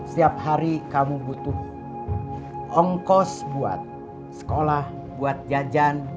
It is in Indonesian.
setiap hari kamu butuh ongkos buat sekolah buat jajan